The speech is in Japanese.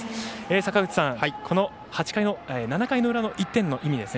坂口さん、この７回の裏の１点の意味ですね。